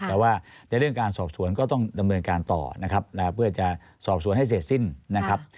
แต่ว่าในเรื่องการสอบสวนก็ต้องดำเนินการต่อนะครับเพื่อจะสอบสวนให้เสร็จสิ้นนะครับ